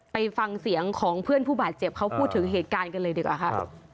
ไปฟังเสียงของเพื่อนผู้บาดเจ็บเขาพูดถึงเหตุการณ์กันเลยดีกว่าค่ะ